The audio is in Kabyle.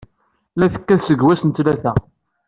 La tekkat seg wass n ttlata.